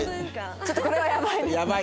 ちょっとこれはやばい。